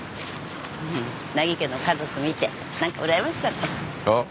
名木家の家族見て何かうらやましかった。